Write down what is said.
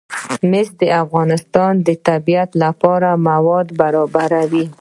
مس د افغانستان د صنعت لپاره مواد برابروي.